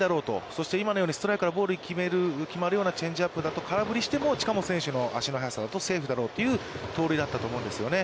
そして今のようにストライクからボール決まるようなチェンジアップだと、空振りしても近本選手の足の速さだとセンターフライだろうという盗塁だったと思うんですよね。